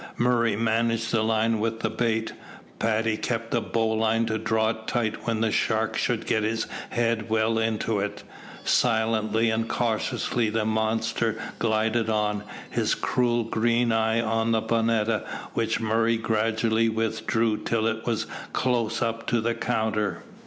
Murray managed the line with the bait, Paddy kept the bowline to draw it tight when the shark should get his head well into it. Silently and cautiously the monster glided on, his cruel green eye on the bonetta, which Murray gradually withdrew till it was close up to the counter.